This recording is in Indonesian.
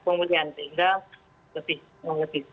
penampilan lebih jauh banget